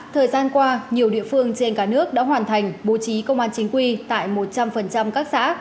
thời gian qua nhiều địa phương trên cả nước đã hoàn thành bố trí công an chính quy tại một trăm linh các xã